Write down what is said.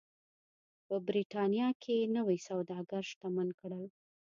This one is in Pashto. په برېټانیا کې نوي سوداګر شتمن کړل.